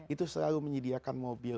itu selalu menyediakan mobil